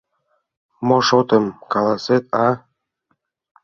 Мо шотым каласет, а?..